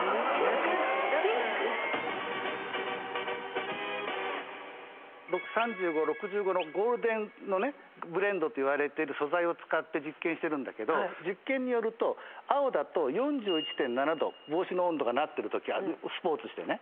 ピンク⁉３５６５のゴールデンブレンドといわれている素材を使って実験してるけど実験によると青だと４１．７度帽子の温度がなってるときスポーツしてね。